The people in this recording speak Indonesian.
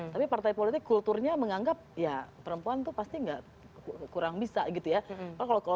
tapi partai politik kulturnya menganggap ya perempuan tuh pasti nggak kurang bisa gitu ya